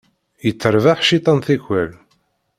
Yetterbaḥ cciṭan tikwal.